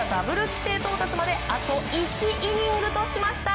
規定到達まであと１イニングとしました。